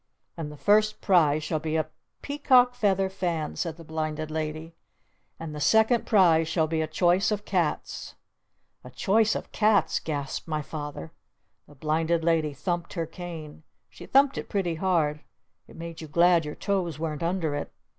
And the first prize shall be a Peacock Feather Fan!" said the Blinded Lady. "And the second prize shall be a Choice of Cats!" "A Choice of Cats?" gasped my Father. The Blinded Lady thumped her cane. She thumped it pretty hard. It made you glad your toes weren't under it.